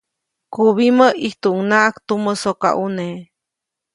Kubimä, ʼijtuʼunŋaʼajk tumä sokaʼune.